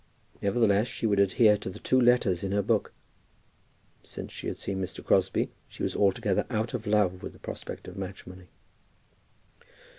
Nevertheless she would adhere to the two letters in her book. Since she had seen Mr. Crosbie she was altogether out of love with the prospect of matrimony.